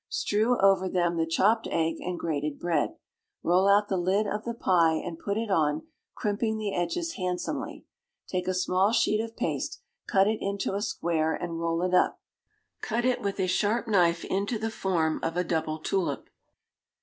Strew over them the chopped egg and grated bread. Roll out the lid of the pie, and put it on, crimping the edges handsomely. Take a small sheet of paste, cut it into a square, and roll it up. Cut it with a sharp knife into the form of a double tulip.